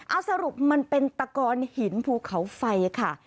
เอาสรุปมันเป็นตะกอนหินภูเขาไฟค่ะ